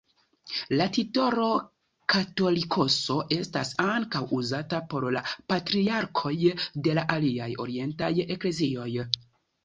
La titolo «katolikoso» estas ankaŭ uzata por la patriarkoj de la aliaj orientaj eklezioj.